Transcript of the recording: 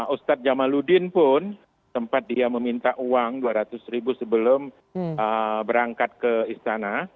ustadz jamaludin pun tempat dia meminta uang dua ratus ribu sebelum berangkat ke istana